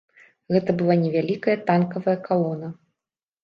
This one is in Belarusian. Гэта была невялікая танкавая калона.